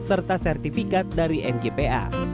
serta sertifikat dari mgpa